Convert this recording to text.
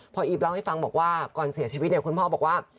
พออีฟเล่าให้ฟังบอกว่าก่อนเสียชีวิตเนี่ยคุณพ่อบอกว่า